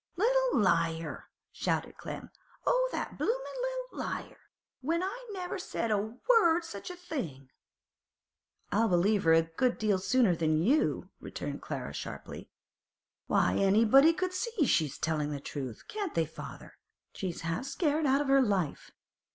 'Little liar!' shouted Clem. 'Oh, that bloomin' little liar! when I never said a word o' such a thing!' 'I'll believe her a good deal sooner than you,' returned Clara sharply. 'Why, anybody can see she's tellin' the truth—can't they, father? She's half scared out of her life.